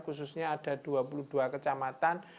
khususnya ada dua puluh dua kecamatan